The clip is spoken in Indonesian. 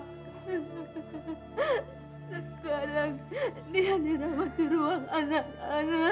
sekarang dia dirawat di ruang anak anak